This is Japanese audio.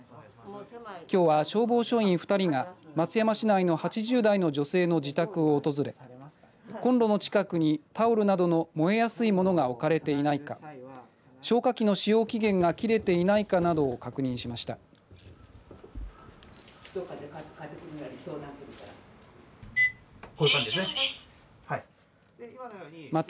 きょうは、消防署員２人が松山市内の８０代の女性の自宅を訪れコンロの近くにタオルなどの燃えやすいものが置かれていないか消火器の使用期限が切れていないかなどを確認しました。